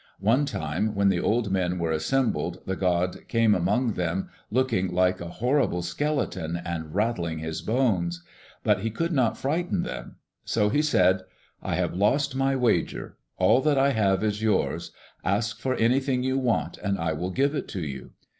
One time when the old men were assembled, the god came among them, looking like a horrible skeleton and rattling his bones. But he could not frighten them. So he said, "I have lost my wager. All that I have is yours. Ask for anything you want and I will give it to you."